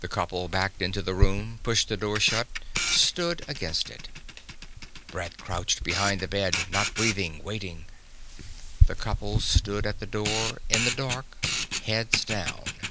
The couple backed into the room, pushed the door shut, stood against it. Brett crouched behind the bed, not breathing, waiting. The couple stood at the door, in the dark, heads down